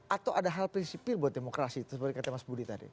atau ada hal prinsipil buat demokrasi seperti kata mas budi tadi